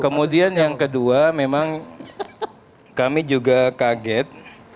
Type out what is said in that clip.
kemudian yang kedua memang kami juga kaget